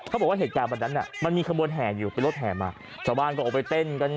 บอกว่าเหตุการณ์วันนั้นน่ะมันมีขบวนแห่อยู่เป็นรถแห่มาชาวบ้านก็ออกไปเต้นกัน